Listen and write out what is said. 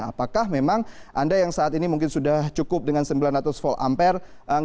apakah memang anda yang saat ini mungkin sudah cukup dengan sembilan ratus volt ampere